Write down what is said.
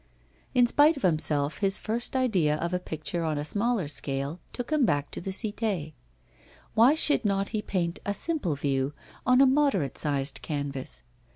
In spite of himself, his first idea of a picture on a smaller scale took him back to the Cité. Why should not he paint a simple view, on a moderate sized canvas?